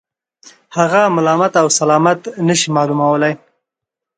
هغه ملامت و سلامت نه شي معلومولای.